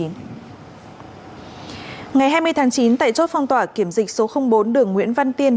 ngày hai mươi tháng chín tại chốt phong tỏa kiểm dịch số bốn đường nguyễn văn tiên